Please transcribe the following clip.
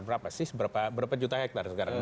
berapa sih berapa juta hektare sekarang